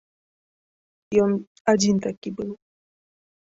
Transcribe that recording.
Ён адзін такі быў.